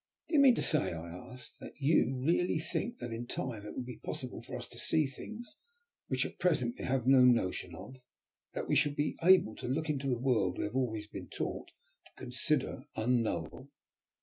"Do you mean to say," I asked, "that you really think that in time it will be possible for us to see things which at present we have no notion of? That we shall be able to look into the world we have always been taught to consider Unknowable?"